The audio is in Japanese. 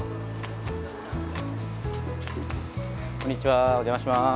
こんにちはお邪魔します。